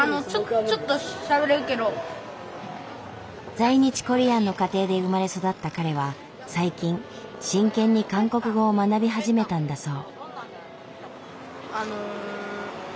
在日コリアンの家庭で生まれ育った彼は最近真剣に韓国語を学び始めたんだそう。